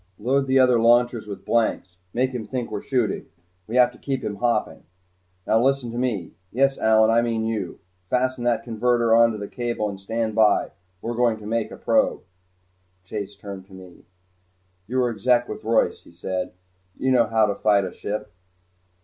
Load the other launchers with blanks. Make him think we're shooting. We have to keep him hopping. Now listen to me Yes, Allyn, I mean you. Fasten that converter onto the cable and stand by. We're going to make a probe." Chase turned to me. "You were Exec with Royce," he said. "You should know how to fight a ship."